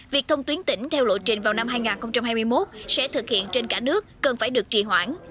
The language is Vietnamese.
việc thông tuyến tỉnh theo lộ trình vào năm hai nghìn hai mươi một sẽ thực hiện trên cả nước cần phải được trì hoãn